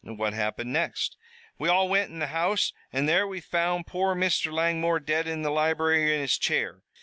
"What happened next?" "We all wint in the house, an' there we found poor Mr. Langmore dead in the library, in his chair.